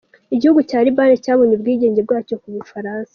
Igihugu cya Liban cyabonye ubwigenge bwacyo ku bufaransa.